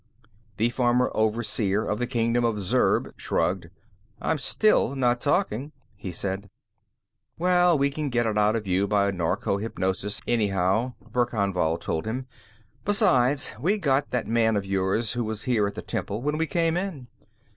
The former Overseer of the Kingdom of Zurb shrugged. "I'm still not talking," he said. "Well, we can get it all out of you by narco hypnosis, anyhow," Verkan Vall told him. "Besides, we got that man of yours who was here at the temple when we came in.